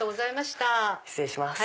失礼します。